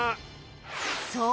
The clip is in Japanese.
［そう。